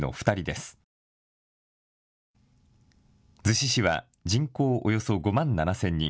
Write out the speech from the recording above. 逗子市は人口およそ５万７０００人。